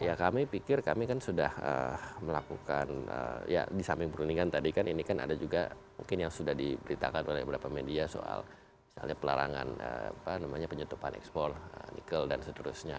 ya kami pikir kami kan sudah melakukan ya di samping perundingan tadi kan ini kan ada juga mungkin yang sudah diberitakan oleh beberapa media soal misalnya pelarangan penyutupan ekspor nikel dan seterusnya